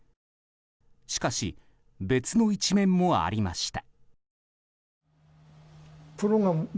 しかし、別の一面もありました。